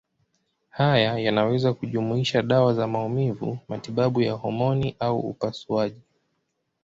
Haya yanaweza kujumuisha dawa za maumivu, matibabu ya homoni au upasuaji.